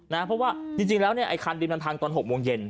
เพราะว่าจริงแล้วเนี่ยไอ้คันดินมันพังตอน๖โมงเย็น